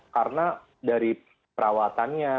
karena dari perawatannya